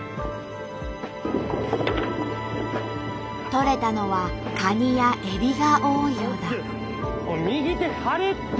とれたのはカニやエビが多いようだ。